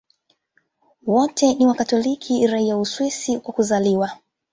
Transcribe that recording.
Wote ni Wakatoliki raia wa Uswisi kwa kuzaliwa.